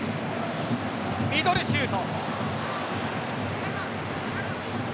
ミドルシュート。